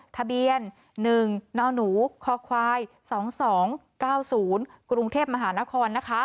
ทะเบียน๑นค๒๒๙๐กรุงเทพฯมหานคร